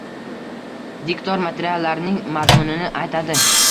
Diktor materiallarning mazmunini aytadi.